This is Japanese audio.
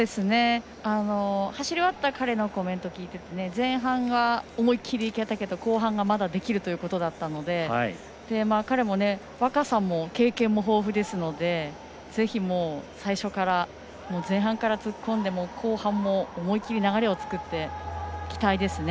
走り終わった彼のコメント聞いてて前半が思い切りいけたけど後半がまだできるということだったので彼も若さも経験も豊富ですのでぜひ、最初から前半から突っ込んで後半も思い切り流れを作って期待ですね。